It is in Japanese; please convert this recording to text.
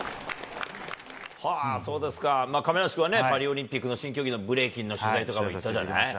そうですか、亀梨君はね、パリオリンピックの新競技のブレイキンの試合とかも行ったじゃない？